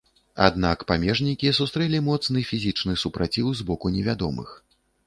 Аднак памежнікі сустрэлі моцны фізічны супраціў з боку невядомых.